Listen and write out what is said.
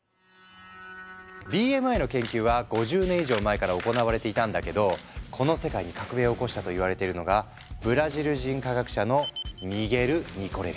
ＢＭＩの研究は５０年以上前から行われていたんだけどこの世界に革命を起こしたといわれているのがブラジル人科学者のミゲル・ニコレリス。